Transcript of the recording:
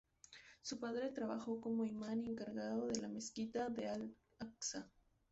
Su padre trabajó como imán y encargado de la Mezquita de Al-Aqsa.